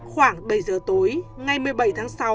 khoảng bảy giờ tối ngày một mươi bảy tháng sáu